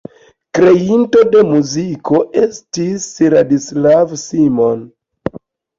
Kreinto de muziko estis Ladislav Simon.